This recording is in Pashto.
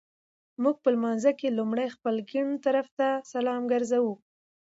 مونږ په لمانځه کي لومړی خپل ګېڼ طرفته سلام ګرځوو